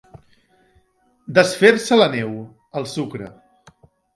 Desfer-se la neu, el sucre.